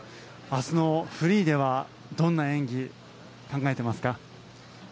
明日のフリーではどんな演技考えていますか？